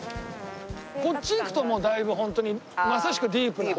こっち行くともうだいぶホントにまさしくディープな。